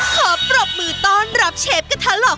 ขอปรบมือต้อนรับเชฟกระทะหลอก